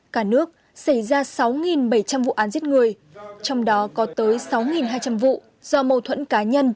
cả nước xảy ra sáu bảy trăm linh vụ án giết người trong đó có tới sáu hai trăm linh vụ do mâu thuẫn cá nhân